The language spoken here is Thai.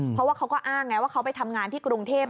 เพราะว่าเขาก็อ้างไงว่าเขาไปทำงานที่กรุงเทพ